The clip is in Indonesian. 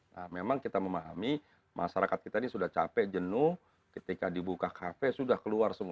nah memang kita memahami masyarakat kita ini sudah capek jenuh ketika dibuka kafe sudah keluar semua